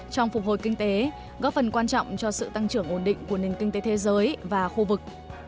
trong phục hồi kinh tế góp phần quan trọng cho sự tăng trưởng ổn định của nền kinh tế thế giới và khu vực